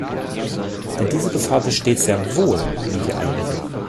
Denn diese Gefahr besteht sehr wohl, wie wir alle wissen.